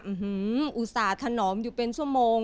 อุตส่าห์ถนอมอยู่เป็นชั่วโมง